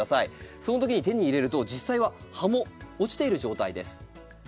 そのときに手に入れると実際は葉も落ちている状態です。